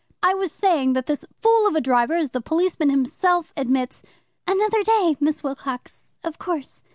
"I was saying that this fool of a driver, as the policeman himself admits " "Another day, Mrs. Wilcox. Of course."